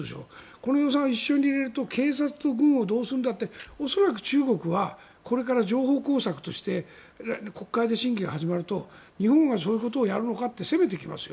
この予算を一緒に入れると警察と軍をどうするんだって恐らく中国はこれから情報工作として国会で審議が始まると、日本がそういうことをやるのかって責めてきますよ。